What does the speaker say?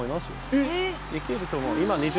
えっ？